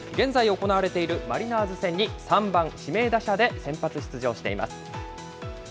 現在行われているマリナーズ戦に３番指名打者で先発出場しています。